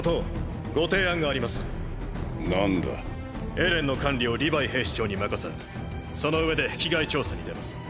エレンの管理をリヴァイ兵士長に任せその上で壁外調査に出ます。